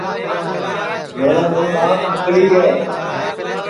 میرے دؔو دؔانٚت نکلی ہے